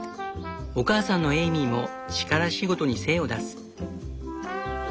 お母さんのエイミーも力仕事に精を出す。